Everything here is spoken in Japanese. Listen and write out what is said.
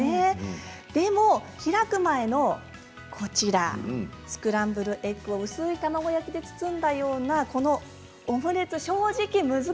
でも開く前のこちらスクランブルエッグを薄い卵焼きで包んだようなこのオムレツ正直難しい。